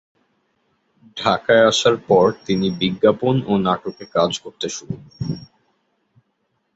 ঢাকায় আসার পর তিনি বিজ্ঞাপন ও নাটকে কাজ করতে শুরু করেন।